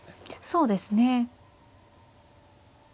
そうですね。